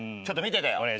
ちょっと見ててよ。